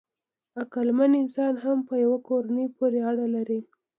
عقلمن انسان هم په یوه کورنۍ پورې اړه لري.